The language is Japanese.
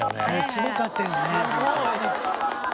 すごかったよね。